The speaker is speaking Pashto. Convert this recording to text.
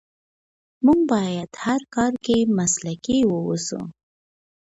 موږ باید په هر کار کې مسلکي واوسو.